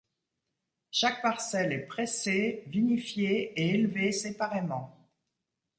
Chaque parcelle est pressée, vinifiée et élevée séparément.